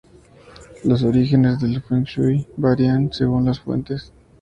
Los orígenes del "feng shui" varían según las fuentes.